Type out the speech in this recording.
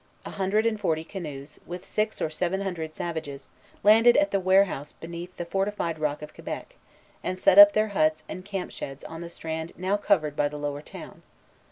A hundred and forty canoes, with six or seven hundred savages, landed at the warehouses beneath the fortified rock of Quebec, and set up their huts and camp sheds on the strand now covered by the lower town.